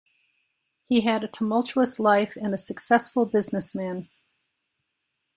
He had a tumultuous life and a successful businessman.